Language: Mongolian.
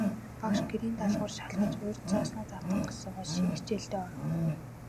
Багш гэрийн даалгавар шалгаж, урьд зааснаа давтан асуугаад, шинэ хичээлдээ оров.